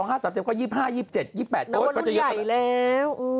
นับวันรุ่นใหญ่แล้ว